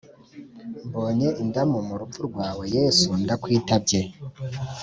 Mbonye indamu murupfu rwawe yesu ndakwitabye